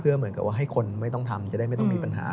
เหมือนกับว่าให้คนไม่ต้องทำจะได้ไม่ต้องมีปัญหา